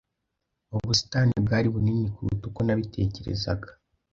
Ubusitani bwari bunini kuruta uko nabitekerezaga.